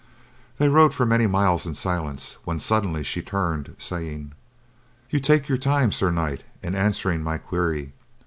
They rode for many miles in silence when suddenly she turned, saying: "You take your time, Sir Knight, in answering my query.